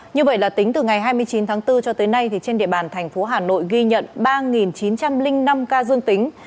như vậy là tính từ ngày hai mươi chín tháng bốn cho tới nay trên địa bàn thành phố hà nội ghi nhận ba chín trăm linh năm ca dương tính